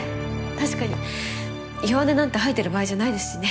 確かに弱音なんて吐いてる場合じゃないですしね。